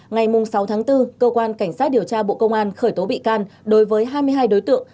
ngày sáu tháng bốn cơ quan cảnh sát điều tra bộ công an khởi tố bị can đối với hai mươi hai đối tượng